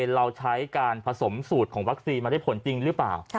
เราใช้การผสมสูตรของวัคซีนมาได้ผลจริงหรือเปล่า